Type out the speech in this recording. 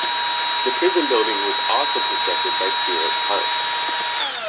The prison building was also constructed by Stuart Park.